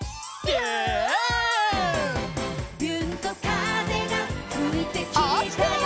「びゅーんと風がふいてきたよ」